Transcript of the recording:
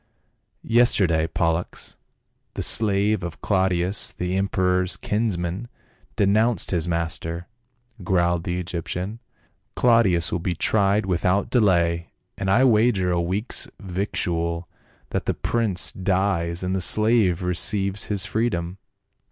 " Yesterday Pollux, the slave of Claudius the em peror's kinsman, denounced his master," growled the Egyptian. " Claudius will be tried without delay, and I wager a week's victual that the prince dies and the slave receives his freedom."